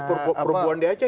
perbuan dia aja